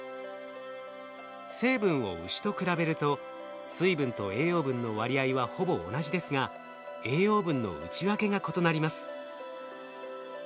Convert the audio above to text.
成分をウシと比べると水分と栄養分の割合はほぼ同じですが栄養分の内訳が異なります。